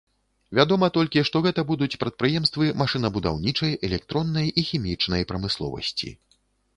Вядома толькі, што гэта будуць прадпрыемствы машынабудаўнічай, электроннай і хімічнай прамысловасці.